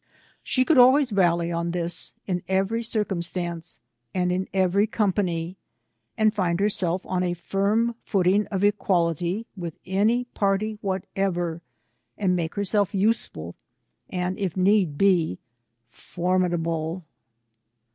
She could always rally on this, in every circumstance, and in every company, and find herself on a firm footing of equality with any party whatever, and make herself useful, and, if need be, formidable.